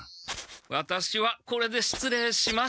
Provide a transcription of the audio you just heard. ワタシはこれでしつれいします。